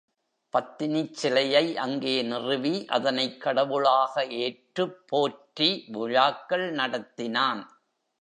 பத்தினிச் சிலையை அங்கே நிறுவி அதனைக் கடவுளாக ஏற்றுப் போற்றி விழாக்கள் நடத்தினான்.